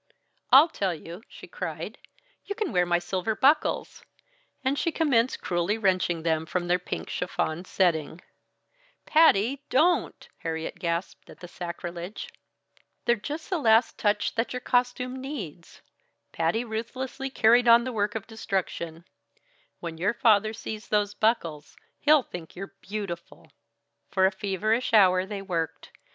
"I'll tell you!" she cried, "you can wear my silver buckles." And she commenced cruelly wrenching them from their pink chiffon setting. [Illustration: Patty meanwhile addressed her attention to Harriet's hair.] "Patty! Don't!" Harriet gasped at the sacrilege. "They're just the last touch that your costume needs." Patty ruthlessly carried on the work of destruction. "When your father sees those buckles, he'll think you're beautiful!" For a feverish hour they worked.